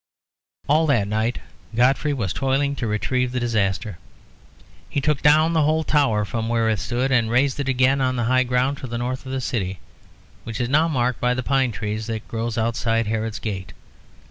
All that night Godfrey was toiling to retrieve the disaster. He took down the whole tower from where it stood and raised it again on the high ground to the north of the city which is now marked by the pine tree that grows outside Herod's gate.